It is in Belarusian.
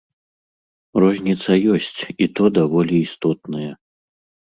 Розніца ёсць, і то даволі істотная.